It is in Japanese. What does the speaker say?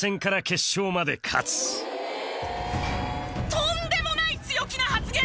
とんでもない強気な発言！